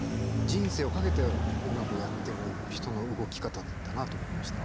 人生を懸けて音楽をやってる人の動き方なんだなと思いました。